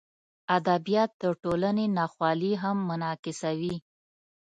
ادبیات د ټولنې ناخوالې هم منعکسوي.